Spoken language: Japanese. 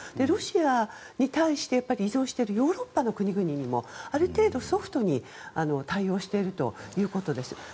ロシアに対して依存しているヨーロッパの国々にもある程度ソフトに対応しているということです。